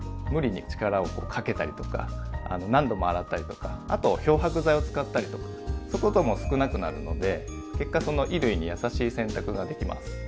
無理に力をこうかけたりとか何度も洗ったりとかあと漂白剤を使ったりとかそういうことも少なくなるので結果衣類にやさしい洗濯ができます。